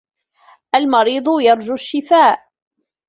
الْمَرِيضُ يَرْجُو الشِّفَاءَ.